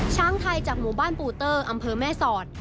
ช้างไทยจากหมู่บ้านปูเตอร์อำเภอแม่สอด